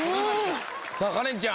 さぁカレンちゃん！